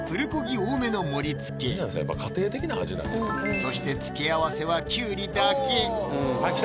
そして付け合わせはキュウリだけあっ来た！